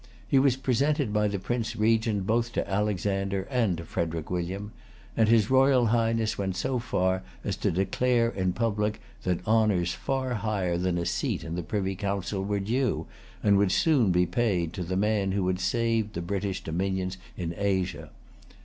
He was presented by the Prince Regent both to Alexander and to Frederic William; and his Royal Highness went so far as to declare in public that honors far higher than a seat in the Privy Council were due, and would soon be paid, to the man who had saved the British dominions in Asia.